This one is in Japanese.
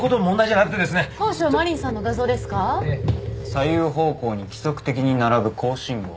左右方向に規則的に並ぶ高信号。